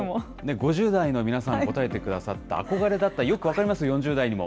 ５０代の皆さん、答えてくださった、憧れだった、よく分かります、４０代にも。